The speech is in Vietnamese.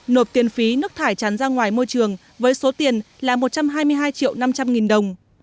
nộp tiền phí nước thải chán ra ngoài môi trường với số tiền là một trăm hai mươi hai triệu năm trăm linh nghìn đồng